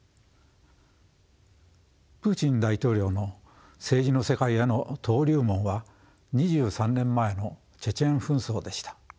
プーチン大統領の政治の世界への登竜門は２３年前のチェチェン紛争でした。